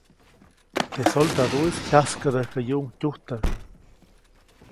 Teʼ soladuʼis jyaskädäjkäyuʼuŋ tujtäjk.